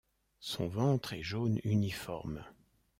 Son ventre est jaune uniforme.